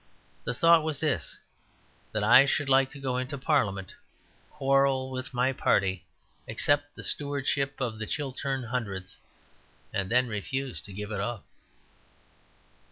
The thought was this: that I should like to go into Parliament, quarrel with my party, accept the Stewardship of the Chiltern Hundreds, and then refuse to give it up.